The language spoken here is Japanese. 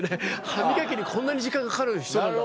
歯磨きにこんなに時間かかる人なんか。